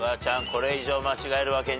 これ以上間違えるわけにはいかない。